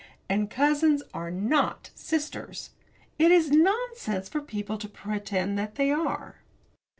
And cousins are not sisters. It is nonsense for people to pretend they are.